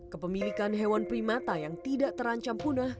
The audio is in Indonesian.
kepemilikan hewan primata yang tidak terancam punah